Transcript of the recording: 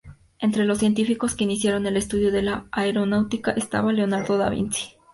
Entre los científicos que iniciaron el estudio de la aeronáutica estaba Leonardo da Vinci.